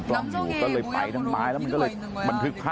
ชิบอาวุธ